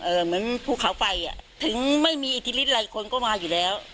เหมือนภูเขาไฟอ่ะถึงไม่มีอิทธิฤทธิอะไรคนก็มาอยู่แล้ว